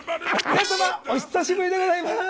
皆様お久しぶりでございます！